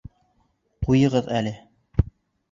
Ҡуйығыҙ әле!